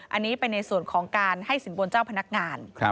อันนี้เป็นในส่วนของการให้สินบนเจ้าพนักงาน